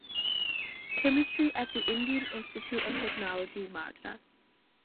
Chemistry at the Indian Institute of Technology, Madras.